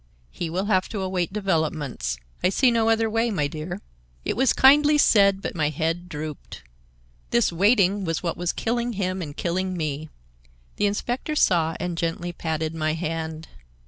"He will have to await developments. I see no other way, my dear." It was kindly said, but my head drooped. This waiting was what was killing him and killing me. The inspector saw and gently patted my hand.